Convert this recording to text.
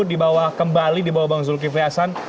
dibawa kembali di bawah bang zulkifli hasan